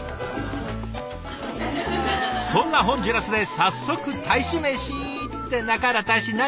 そんなホンジュラスで早速大使メシ。って中原大使何？